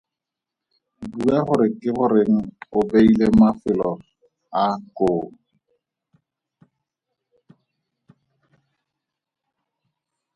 Bua gore ke goreng o beile mafelo a koo.